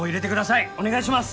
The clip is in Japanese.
お願いします！